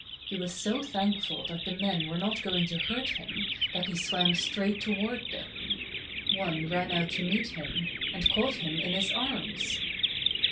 He was so thankful that the men were not going to hurt him that he swam straight toward them. One ran out to meet him, and caught him in his arms.